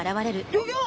ギョギョ！